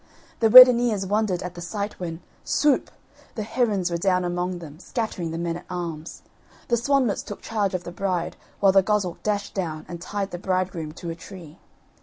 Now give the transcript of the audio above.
The weddineers wondered at the sight when, swoop! the herons were down among them scattering the men at arms. The swanlets took charge of the bride while the goshawk dashed down and tied the bridegroom to a tree.